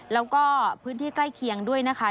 แล้วก็พื้นที่ใกล้เคียงด้วยนะคะ